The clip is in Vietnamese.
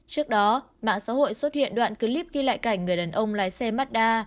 trước đó mạng xã hội xuất hiện đoạn clip ghi lại cảnh người đàn ông lái xe mắt đa